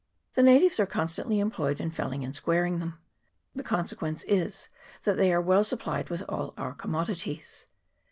The natives are constantly employed in felling and squaring them. The consequence is, that they are well supplied with all our commodities.